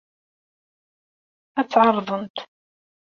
Ad tt-ɛerḍent.